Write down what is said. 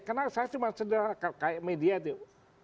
karena saya cuma sederhana kayak media itu